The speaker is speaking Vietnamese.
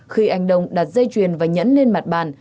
khi anh đông đặt dây chuyền và nhẫn lên mặt bàn